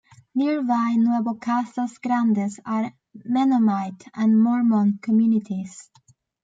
Nearby Nuevo Casas Grandes are Mennonite and Mormon communities.